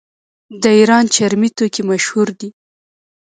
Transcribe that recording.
د ایران چرمي توکي مشهور دي.